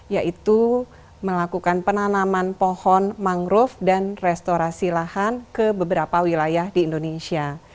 yaitu melakukan penanaman pohon mangrove dan restorasi lahan ke beberapa wilayah di indonesia